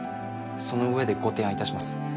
その上でご提案いたします。